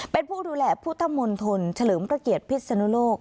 เป็นผู้ดูแลผู้ท่ามนทลเฉลิมประเกียจพิษฎนโลก